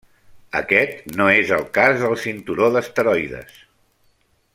Aquest no és el cas del cinturó d'asteroides.